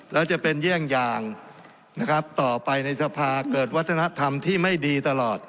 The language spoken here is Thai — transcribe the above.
แล้วจะเป็นเยี่ยงอย่างนะครับต่อไปในสภาเกิดวัฒนธรรมที่ไม่ดีตลอด